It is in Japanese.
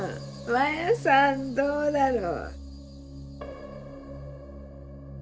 マヤさんどうだろう？